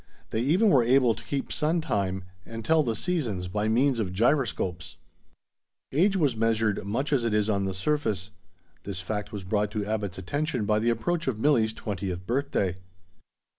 They even were able to keep sun time and tell the seasons, by means of gyroscopes! Age was measured much as it is on the surface. This fact was brought to Abbot's attention by the approach of Milli's twentieth birthday.